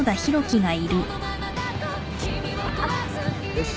よし。